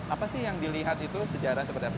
apa sih yang dilihat itu sejarah seperti apa